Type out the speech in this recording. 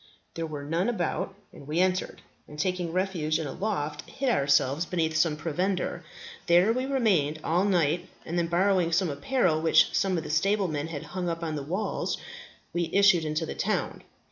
There were none about, and we entered, and, taking refuge in a loft, hid ourselves beneath some provender. There we remained all night, and then borrowing some apparel which some of the stablemen had hung up on the walls, we issued into the town.